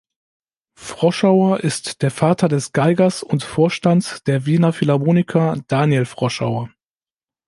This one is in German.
Froschauer ist der Vater des Geigers und Vorstands der Wiener Philharmoniker, Daniel Froschauer.